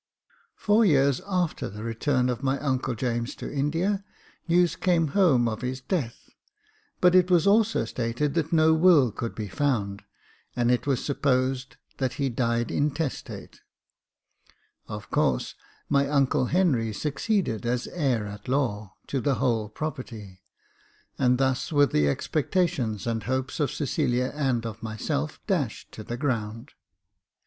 Four years after the return of my uncle James to India, news came home of his death ; but it was also stated that no will could be found, and it was supposed that he died intestate. Of course, my uncle Henry succeeded as heir at law to the whole property, and thus were the Jacob Faithful ^t,^ expectations and hopes of Cecilia and of myself dashed to the ground.